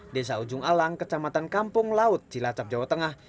desa ujung alang kecamatan kampung laut cilacap jawa tengah